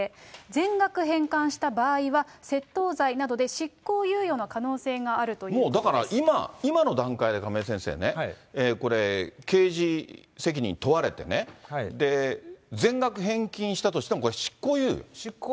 全額返還した場合は窃盗罪などで執行猶予の可能性があるというこもうだから今、今の段階で、亀井先生ね、これ刑事責任問われてね、全額返金したとしても、これ執行猶予？